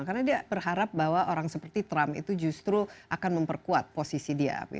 karena dia berharap bahwa orang seperti trump itu justru akan memperkuat posisi dia